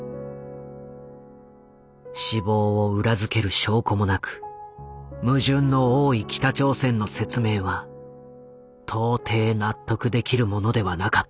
死亡を裏付ける証拠もなく矛盾の多い北朝鮮の説明は到底納得できるものではなかった。